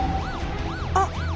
あっ！